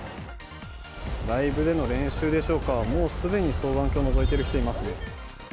ライブでの練習でしょうか、もうすでに双眼鏡のぞいてる人がいますね。